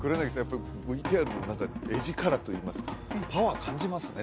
やっぱりＶＴＲの何か画力といいますかパワー感じますね